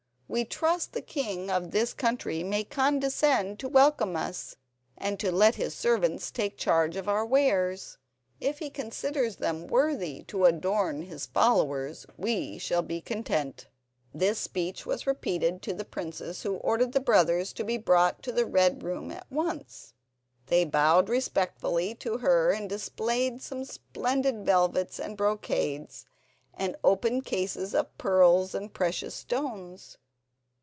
We trust the king of this country may condescend to welcome us, and to let his servants take charge of our wares. If he considers them worthy to adorn his followers we shall be content." This speech was repeated to the princess, who ordered the brothers to be brought to the red room at once. They bowed respectfully to her and displayed some splendid velvets and brocades, and opened cases of pearls and precious stones.